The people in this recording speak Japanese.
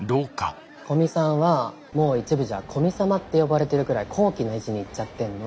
古見さんはもう一部じゃ「古見様」って呼ばれてるくらい高貴な位置にいっちゃってんの。